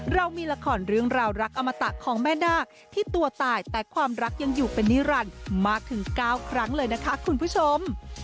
เรามีละครเรื่องราวรักอมตะของแม่นาคที่ตัวตายแต่ความรักยังอยู่เป็นนิรันดิ์มากถึง๙ครั้งเลยนะคะคุณผู้ชม